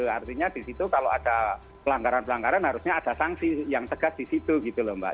artinya disitu kalau ada pelanggaran pelanggaran harusnya ada sanksi yang tegas disitu gitu loh mbak